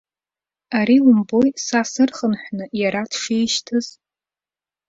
Ари умбои са сырхынҳәны иара дшишьҭыз.